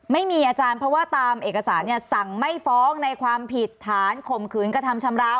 ไม่มีอาจารย์เพราะว่าตามเอกสารเนี่ยสั่งไม่ฟ้องในความผิดฐานข่มขืนกระทำชำราว